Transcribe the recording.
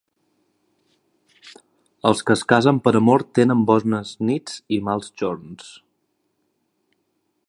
Els que es casen per amor tenen bones nits i mals jorns.